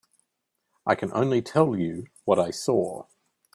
I can only tell you what I saw.